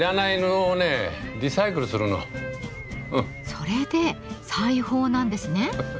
それで裁縫なんですね。